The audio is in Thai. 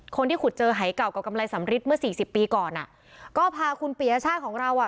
คนที่ขุดเจอหายเก่ากับกำไรสำริทเมื่อสี่สิบปีก่อนอ่ะก็พาคุณปียชาติของเราอ่ะ